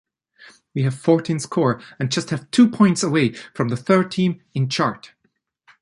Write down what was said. We have fourteen score and just have two points away from the third team in chart.